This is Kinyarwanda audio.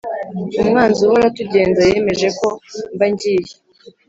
umwanzi uhora atugenza yemeje ko mba ngiye